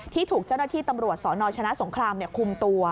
ที่ถูกเจ้าหน้าที่ตำรวจสนชนะสงครามคุมตัว